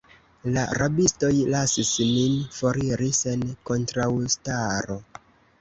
La rabistoj lasis nin foriri sen kontraŭstaro.